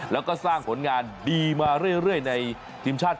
แล้วก็สร้างผลงานดีมาเรื่อยในทีมชาติ